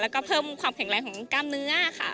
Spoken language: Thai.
แล้วก็เพิ่มความแข็งแรงของกล้ามเนื้อค่ะ